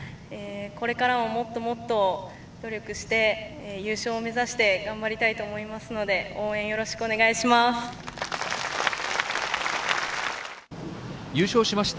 これからももっともっと努力して、優勝を目指して頑張りたいと思いますので、応援、よろしくお願いします。